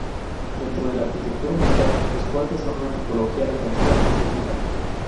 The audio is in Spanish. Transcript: Dentro de la arquitectura militar, los fuertes son una tipología defensiva específica.